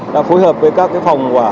đã phối hợp với các cái phòng quả